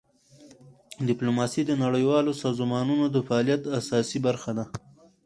ډیپلوماسي د نړیوالو سازمانونو د فعالیت اساسي برخه ده.